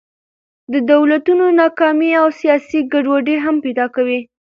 د دولتونو ناکامي او سیاسي ګډوډۍ هم پیدا کوي.